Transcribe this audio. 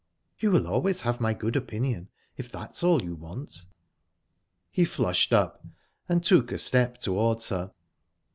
"You will always have my good opinion, if that's all you want." He flushed up, and took a step towards her.